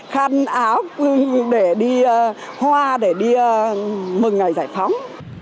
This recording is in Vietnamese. khăn áo để đi hoa để đi mừng ngày giải phóng